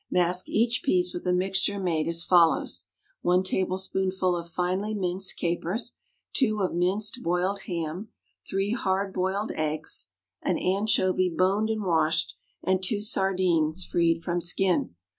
Mask each piece with a mixture made as follows: One tablespoonful of finely minced capers, two of minced boiled ham, three hard boiled eggs, an anchovy boned and washed, and two sardines freed from skin.